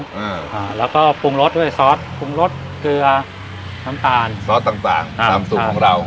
อ่าแล้วก็ปรุงรสด้วยซอสปรุงรสเกลือน้ำตาลซอสต่างต่างตามซุปของเรา